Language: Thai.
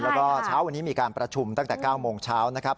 แล้วก็เช้าวันนี้มีการประชุมตั้งแต่๙โมงเช้านะครับ